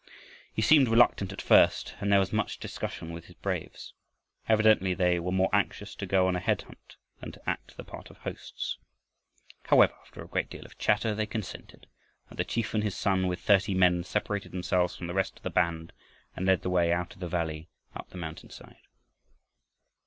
He seemed reluctant at first and there was much discussion with his braves. Evidently they were more anxious to go on a head hunt than to act the part of hosts. However, after a great deal of chatter, they consented, and the chief and his son with thirty men separated themselves from the rest of the band and led the way out of the valley up the mountainside.